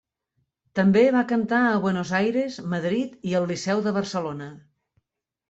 També va cantar a Buenos Aires, Madrid i al Liceu de Barcelona.